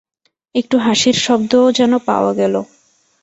একটু হাসির শব্দও যেন পাওয়া গেল।